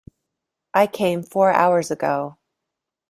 I came Four hours ago.